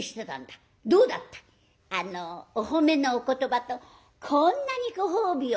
「あのお褒めのお言葉とこんなにご褒美を」。